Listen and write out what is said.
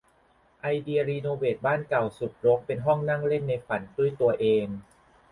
ไอเดียรีโนเวทบ้านเก่าสุดรกเป็นห้องนั่งเล่นในฝันด้วยตัวเอง